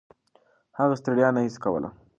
هغه ستړیا نه حس کوله.